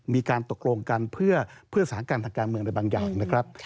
มีการตกลงกันเพื่อสถานการณ์ทางการเมืองอะไรบางอย่างนะครับ